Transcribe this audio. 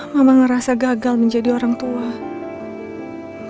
mama ngerasa gagal menjadi orang tua